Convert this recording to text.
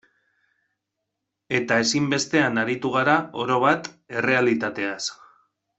Eta ezinbestean aritu gara, orobat, errealitateaz.